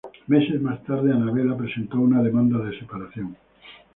Meses más tarde, Annabella presentó una demanda de separación.